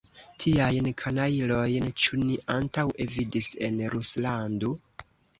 Tiajn kanajlojn ĉu ni antaŭe vidis en Ruslando?